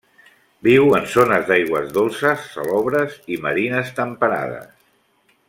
Viu en zones d'aigües dolces, salobres i marines temperades.